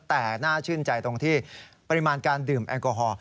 แต่น่าชื่นใจตรงที่ปริมาณการดื่มแอลกอฮอล